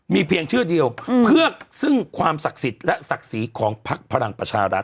มีเพียงชื่อเดียวเพื่อซึ่งความศักดิ์สิทธิ์และศักดิ์ศรีของพักพลังประชารัฐ